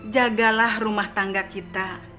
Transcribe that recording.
jagalah rumah tangga kita